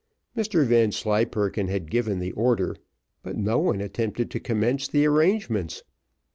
Mr Vanslyperken had given the order, but no one attempted to commence the arrangements.